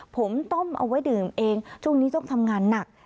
ผมต้มเอาไว้ดื่มเองช่วงนี้ต้องทำงานหนัก